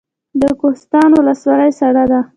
د کوهستان ولسوالۍ سړه ده